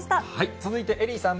続いてエリーさん。